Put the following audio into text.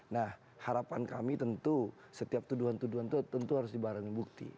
nah harapan kami tentu setiap tuduhan tuduhan itu tentu harus dibarengi bukti